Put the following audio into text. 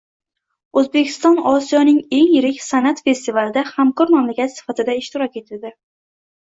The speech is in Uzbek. O‘zbekiston Osiyoning eng yirik san’at festivalida hamkor mamlakat sifatida ishtirok etadi